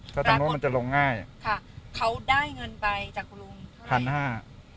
ถ้าทางโน้นมันจะลงง่ายค่ะเขาได้เงินไปจากคุณลุงห้าพันห้า